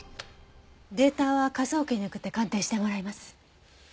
データは科捜研に送って鑑定してもらいます。